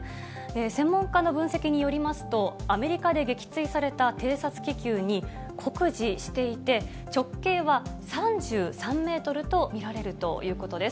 専門家の分析によりますと、アメリカで撃墜された偵察気球に酷似していて、直径は３３メートルと見られるということです。